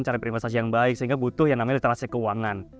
cara berinvestasi yang baik sehingga butuh yang namanya literasi keuangan